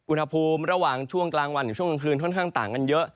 อุณหภูมิระหว่างช่วงกลางวันหรือช่วงกลางคืนค่อนข้างต่างกันเยอะ